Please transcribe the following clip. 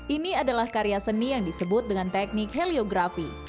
ini adalah karya seni yang disebut dengan teknik heliografi